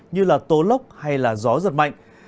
như là tố lốc hay là gió giật mạnh